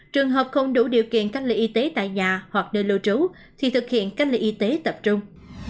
trường hợp không đủ điều kiện cách ly y tế tại nhà hoặc nơi lưu trú thì thực hiện cách ly y tế tập trung